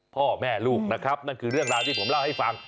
พ่อแม่ลูกนะครับนั่นคือเรื่องราวที่ผมเล่าให้ฟัง